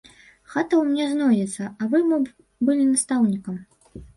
Хата ў мяне знойдзецца, а вы мо б былі настаўнікам.